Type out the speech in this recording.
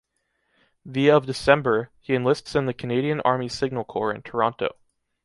The of December, he enlists in the Canadian Army Signal Corps in Toronto.